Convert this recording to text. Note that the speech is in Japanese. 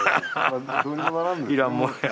いらんもんや。